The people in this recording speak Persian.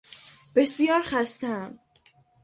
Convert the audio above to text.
بسیار خستهام